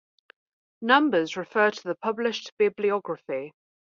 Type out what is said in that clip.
Numbers refer to the published bibliography.